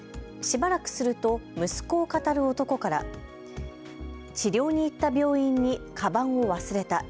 しばらくすると息子をかたる男から治療に行った病院にかばんを忘れた。